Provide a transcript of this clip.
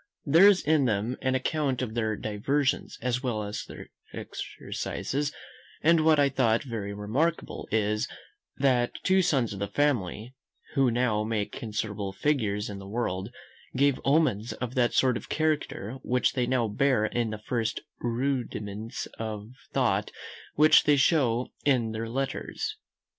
There is in them an account of their diversions as well as their exercises; and what I thought very remarkable is, that two sons of the family, who now make considerable figures in the world, gave omens of that sort of character which they now bear in the first rudiments of thought which they show in their letters.